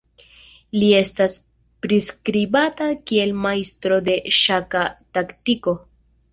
Li estas priskribata kiel majstro de ŝaka taktiko.